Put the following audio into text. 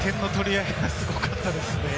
点の取り合いがすごかったですね。